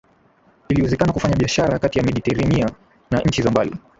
iliwezekana kufanya biashara kati ya Mediteranea na nchi za mbali